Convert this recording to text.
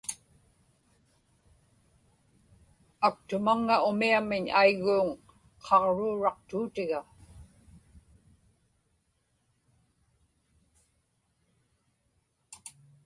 aktumaŋŋa umiamiñ aigguuŋ qaġruuraqtuutiga